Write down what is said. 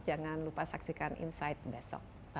jangan lupa saksikan insight besok